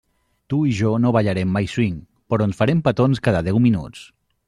Tu i jo no ballarem mai swing, però ens farem petons cada deu minuts.